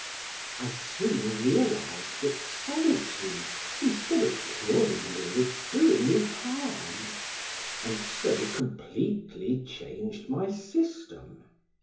I soon realized that solitude instead of curing me was doing me harm, and so completely changed my system.